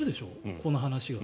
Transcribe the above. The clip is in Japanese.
この話が。